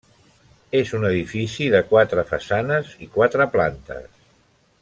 És un edifici de quatre façanes i quatre plantes.